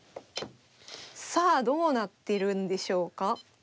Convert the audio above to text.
さあどうなってるんでしょうか。